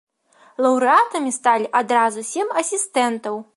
Лаўрэатамі сталі адразу сем асістэнтаў.